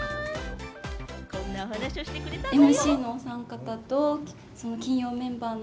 こんなお話をしてくれたんだよ。